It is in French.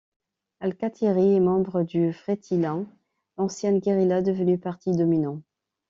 Alkatiri est membre du Fretilin, l'ancienne guérilla devenue parti dominant.